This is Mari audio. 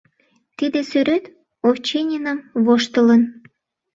Тиде сӱрет Овчининым воштылын.